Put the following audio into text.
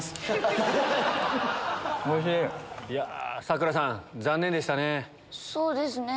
佐倉さん残念でしたね。